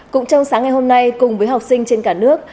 cũng trong sáng ngày hôm nay cùng với học sinh trên cả nước